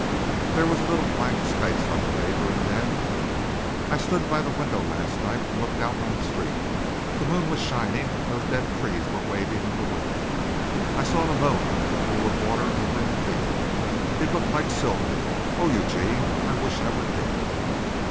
There was a little blank space on the paper and then: "I stood by the window last night and looked out on the street. The moon was shining and those dead trees were waving in the wind. I saw the moon on that pool of water over in the field. It looked like silver. Oh, Eugene, I wish I were dead."